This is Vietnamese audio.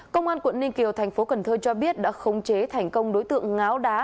công an quận ninh kiều thành phố cần thơ cho biết đã khống chế thành công đối tượng ngáo đá